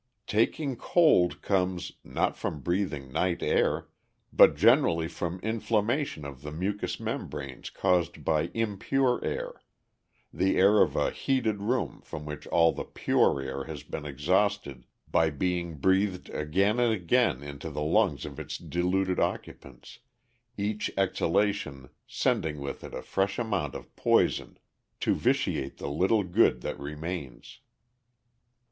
"Taking cold" comes, not from breathing "night air," but generally from inflammation of the mucous membranes caused by impure air, the air of a heated room from which all the pure air has been exhausted by being breathed again and again into the lungs of its deluded occupants, each exhalation sending with it a fresh amount of poison to vitiate the little good that remains.